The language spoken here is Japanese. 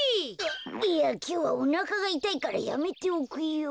いやきょうはおなかがいたいからやめておくよ。